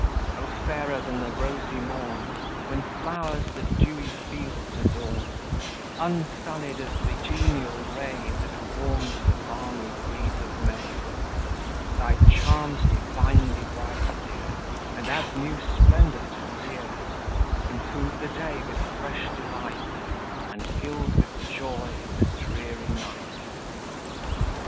O' fairer than the rosy morn, When flowers the dewy fields adorn; Unsallied as the genial ray, That warms the balmy breeze of May; Thy charms divinely bright appear, And add new splendour to the year; Improve the day with fresh delight, And gild with joy the dreary night.